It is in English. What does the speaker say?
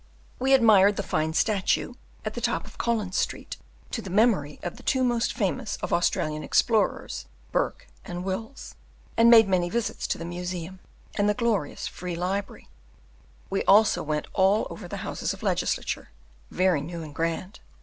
We admired the fine statue, at the top of Collins Street, to the memory of the two most famous of Australian explorers, Burke and Wills, and made many visits to the Museum, and the glorious Free Library; we also went all over the Houses of Legislature very new and grand.